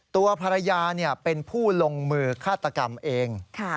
ตัวภรรยาเป็นผู้ลงมือฆาตกรรมเอง